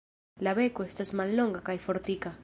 La beko estas mallonga kaj fortika.